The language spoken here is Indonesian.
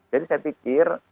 jadi saya pikir